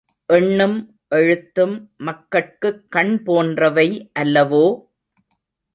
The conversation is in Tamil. எண்ணும் எழுத்தும் மக்கட்குக் கண் போன்றவை அல்லவோ?